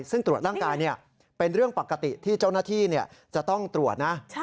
ซึ่งตรวจร่างกายเป็นเรื่องปกติที่เจ้าหน้าที่จะต้องตรวจนะ